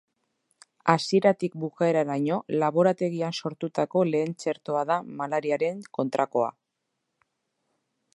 Hasieratik bukaeraraino laborategian sortutako lehen txertoa da malariaren kontrakoa.